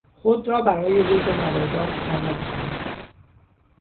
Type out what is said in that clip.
خود را برای روز مبادا آماده کردیم.